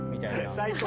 最高！